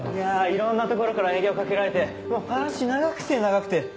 いろんなところから営業かけられてもう話長くて長くて。